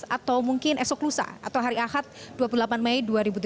atau mungkin esok lusa atau hari ahad dua puluh delapan mei dua ribu tujuh belas